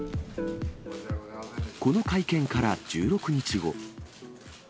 この会見から１６日後。